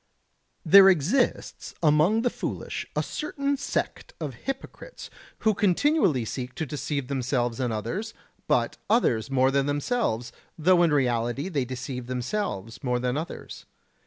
There exists among the foolish a certain sect of hypocrites who continually seek to deceive themselves and others, but others more than themselves, though in reality they deceive themselves more than others.